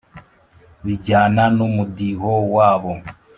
bijyana n’umudiho wabo.